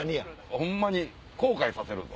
ホンマに後悔させるぞ！